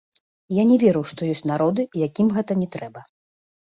Я не веру, што ёсць народы, якім гэта не трэба.